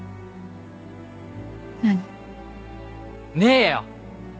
何？ねえよ！